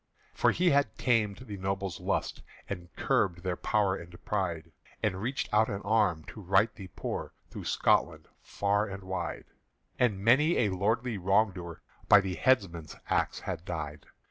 For he had tamed the nobles' lust And curbed their power and pride, And reached out an arm to right the poor Through Scotland far and wide; And marry a lordly wrong doer By the headsman's axe had died.